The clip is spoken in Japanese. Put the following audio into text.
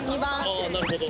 あなるほど。